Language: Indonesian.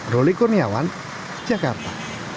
roli kurniawan jakarta